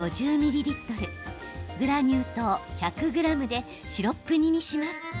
戻した切り干し大根を水４５０ミリリットルグラニュー糖１００ｇでシロップ煮にします。